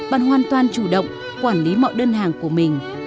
bạn hoàn toàn chủ động quản lý mọi đơn hàng của mình